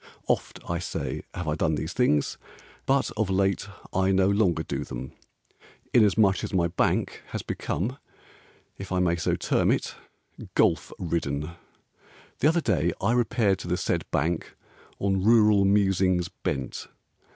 Oft, I say, have I done these things; But of late I no longer do them, Inasmuch as my bank Has become (if I may so term it) Golf ridden. The other day I repaired to the said bank On rural musings bent.